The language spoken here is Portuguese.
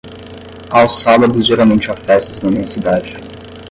Aos sábados geralmente há festas na minha cidade.